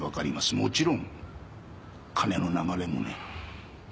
もちろん金の流れもね。